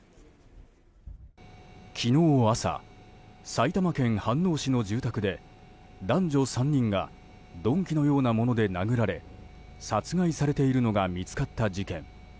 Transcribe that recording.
昨日朝、埼玉県飯能市の住宅で男女３人が鈍器のようなもので殴られ殺害されているのが見つかった事件。